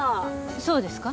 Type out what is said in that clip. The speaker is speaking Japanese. そうですか？